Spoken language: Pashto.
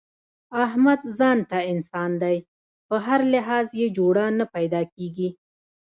احمد ځانته انسان دی، په هر لحاظ یې جوړه نه پیداکېږي.